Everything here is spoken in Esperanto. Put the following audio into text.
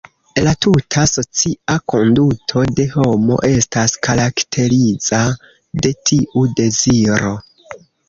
La tuta socia konduto de homo estas karakterizita de tiu deziro.